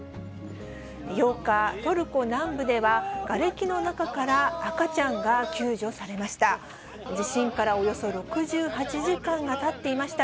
８日、トルコ南部では、がれきの中から赤ちゃんが救助されました。